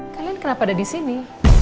kalian kenapa ada disini